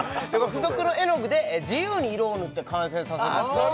付属の絵の具で自由に色を塗って完成させるんです